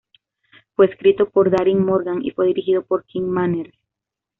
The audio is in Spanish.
Fue escrito por Darin Morgan y fue dirigido por Kim Manners.